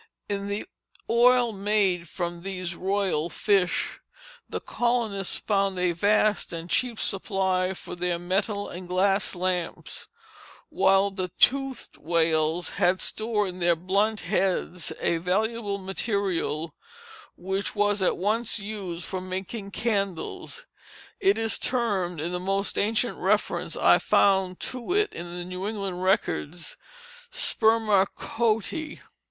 In the oil made from these "royal fish" the colonists found a vast and cheap supply for their metal and glass lamps; while the toothed whales had stored in their blunt heads a valuable material which was at once used for making candles; it is termed, in the most ancient reference I have found to it in New England records, Sperma Coeti.